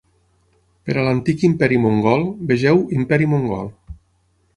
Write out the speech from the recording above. Per a l'antic imperi mongol, vegeu Imperi Mongol.